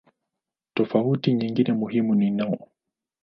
Tofauti nyingine muhimu ni no.